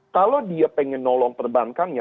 kalau dia pengen nolong perbankannya